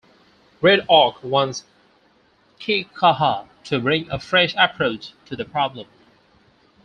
Red Orc wants Kickaha to bring a fresh approach to the problem.